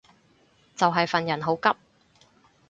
就係份人好急